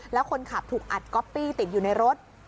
แล้วคนขับถูกอัดก๊อปปี้ติดอยู่ในรถ